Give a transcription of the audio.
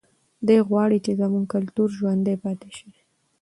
دی غواړي چې زموږ کلتور ژوندی پاتې شي.